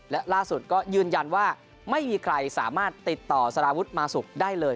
และล่าสุดก็ยืนยันว่าไม่มีใครสามารถติดต่อสารวุฒิมาสุกได้เลย